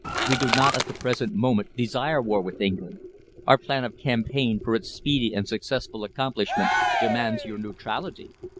We do not at the present moment desire war with England. Our plan of campaign, for its speedy and successful accomplishment, demands your neutrality.